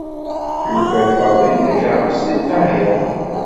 Yuker Faḍil takeṛṛust deg Lqahiṛa.